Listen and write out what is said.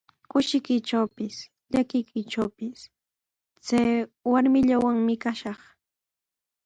Kushikuytrawpis, llakikuytrawpis chay warmillawanmi kashaq.